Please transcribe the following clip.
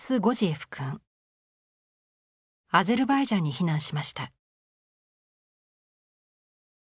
アゼルバイジャンに避難しました。